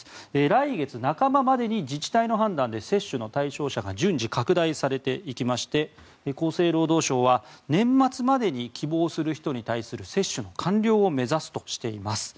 来月半ばまでに自治体の判断で接種の対象者が順次、拡大されていきまして厚生労働省は年末までに希望する人に対する接種の完了を目指すとしています。